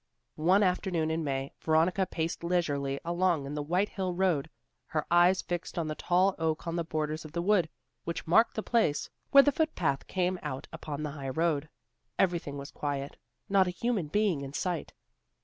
One afternoon in May, Veronica paced leisurely along the white hill road, her eyes fixed on the tall oak on the borders of the wood, which marked the place where the foot path came out upon the high road. Everything was quiet; not a human being in sight.